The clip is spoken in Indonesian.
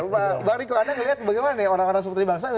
baru baru anda melihat bagaimana orang orang seperti saya